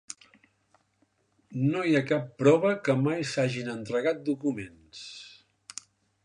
No hi ha cap prova que mai s'hagin entregat documents.